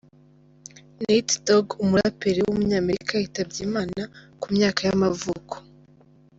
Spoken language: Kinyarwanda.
Nate Dogg, umuraperi w’umunyamerika yitabye Imana, ku myaka y’amavuko.